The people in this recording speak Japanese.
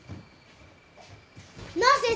なあ先生